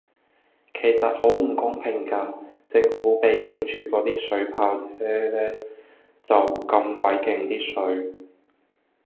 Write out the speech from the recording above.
其實好唔公平架，政府比警署嗰啲水炮車呢就咁鬼勁啲水